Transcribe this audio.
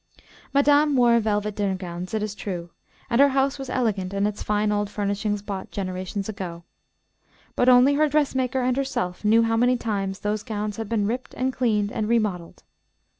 Madame wore velvet dinner gowns, it is true, and her house was elegant in its fine old furnishings bought generations ago; but only her dressmaker and herself knew how many times those gowns had been ripped and cleaned and remodelled.